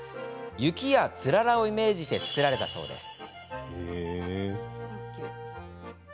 雪や、つららをイメージして造られたそうです。